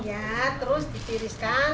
ya terus ditiriskan